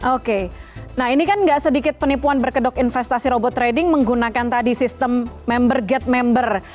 oke nah ini kan gak sedikit penipuan berkedok investasi robot trading menggunakan tadi sistem member get member